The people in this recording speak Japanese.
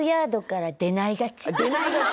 あっ出ないがち？